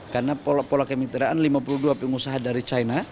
karena pola kemitraan lima puluh dua pengusaha dari china